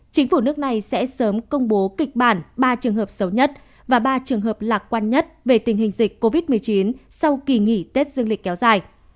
chính phủ nước này sẽ sớm công bố kịch bản ba trường hợp xấu nhất và ba trường hợp lạc quan nhất về tình hình dịch covid một mươi chín sau kỳ nghỉ tết dương lịch kéo dài